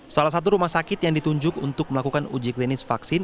salah satu rumah sakit yang ditunjuk untuk melakukan uji klinis vaksin